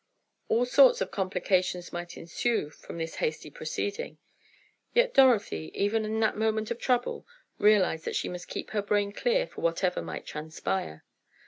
All sorts of complications might ensue from this hasty proceeding. Yet Dorothy, even in that moment of trouble, realized that she must keep her brain clear for whatever might transpire.